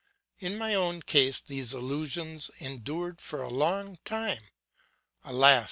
In my own case these illusions endured for a long time. Alas!